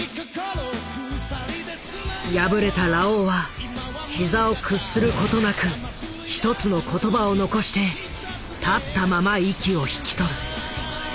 敗れたラオウは膝を屈することなく一つの言葉を残して立ったまま息を引き取る。